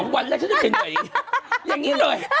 ๒วันแล้วมันจะเหนื่อยอย่างนี้เลย